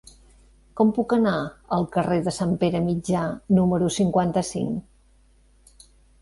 Com puc anar al carrer de Sant Pere Mitjà número cinquanta-cinc?